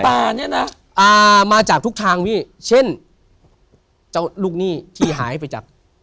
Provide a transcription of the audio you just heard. แต่เนี่ยนะมาจากทุกทางพี่เช่นเจ้าลูกหนี้ที่หายไปจาก